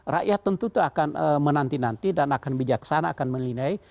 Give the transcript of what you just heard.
rakyat tentu itu akan menanti nanti dan akan bijaksana akan menilai